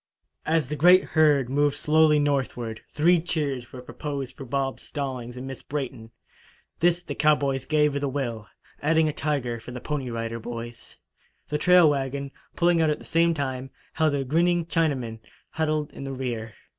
As the great herd moved slowly northward, three cheers were proposed for Bob Stallings and Miss Brayton. This the cowboys gave with a will, adding a tiger for the Pony Rider Boys. The trail wagon, pulling out at the same time, held a grinning Chinaman, huddled in the rear.